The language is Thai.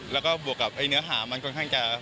แล้วก็บวกกับเนื้อหามันค่อนข้างจะ